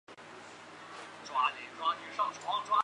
扎米亚京与西方出版商的交易引起苏联政府大规模挞伐他。